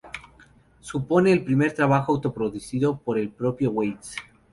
Supone el primer trabajo autoproducido por el propio Waits.